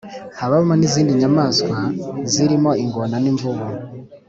habamo n’izindi nyamaswa zirimo ingona, nimvubu,